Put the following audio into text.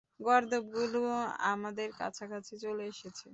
গর্দভগুলো আমাদের কাছাকাছি চলে এসেছে।